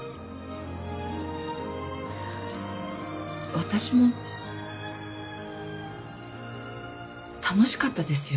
私も楽しかったですよ